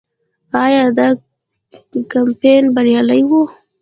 آیا دا کمپاین بریالی و؟